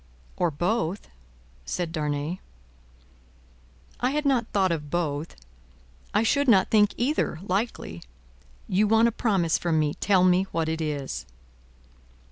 "Or both," said Darnay. "I had not thought of both; I should not think either, likely. You want a promise from me. Tell me what it is."